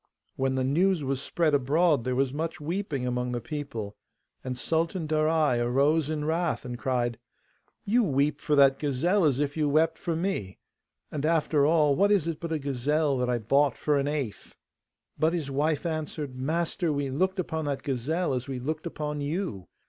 When the news spread abroad, there was much weeping among the people, and Sultan Darai arose in wrath, and cried, 'You weep for that gazelle as if you wept for me! And, after all, what is it but a gazelle, that I bought for an eighth?' But his wife answered, 'Master, we looked upon that gazelle as we looked upon you.